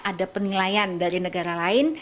ada penilaian dari negara lain